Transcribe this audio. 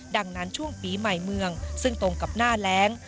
ดังนั้นช่วงปีใหม่เมืองซึ่งตรงกับหน้าแรง